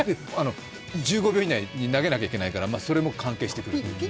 １５秒以内に投げなきゃいけないから、それも関係してくる。